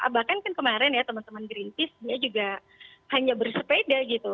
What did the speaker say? bahkan kan kemarin ya teman teman greenpeace dia juga hanya bersepeda gitu